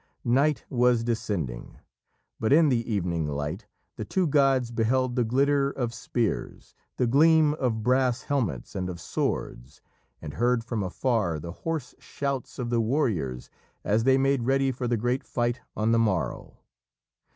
Night was descending, but in the evening light the two gods beheld the glitter of spears, the gleam of brass helmets and of swords, and heard from afar the hoarse shouts of the warriors as they made ready for the great fight on the morrow.